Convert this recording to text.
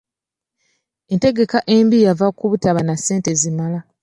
Entegeka embi yava ku butaba na ssente zimala.